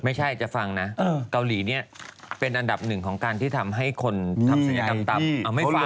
ไม่ใช่จะฟังนะเกาหลีเนี่ยเป็นอันดับหนึ่งของการที่ทำให้คนทำศัลยกรรมต่ำ